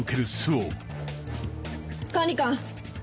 管理官！